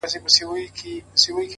څڼور له ټولو څخه ورک دی _